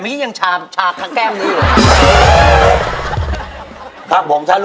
เดี๋ยวเจอบริการป้อนด้วยนะคะ